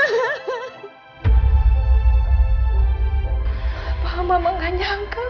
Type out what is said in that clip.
semua teman meng hungary